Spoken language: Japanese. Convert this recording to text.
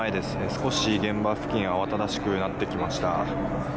少し現場付近慌ただしくなってきました。